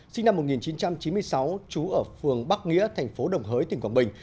sinh năm một nghìn chín trăm chín mươi sáu trú ở phường bắc nghĩa thành phố đồng hới tỉnh quảng bình